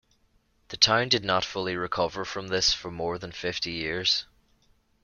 The town did not fully recover from this for more than fifty years.